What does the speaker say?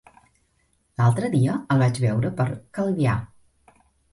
L'altre dia el vaig veure per Calvià.